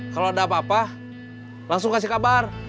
kalau ada apa apa langsung kasih kabar